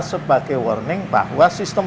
sebagai warning bahwa sistem